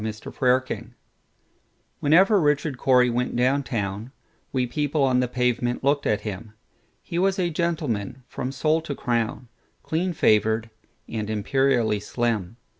Richard Cory WHENEVER Richard Cory went down town, We people on the pavement looked at him:He was a gentleman from sole to crown, Clean favored, and imperially slim.